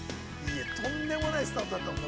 とんでもないスタートだったもんね。